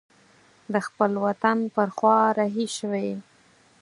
د خپل وطن پر خوا رهي شوی.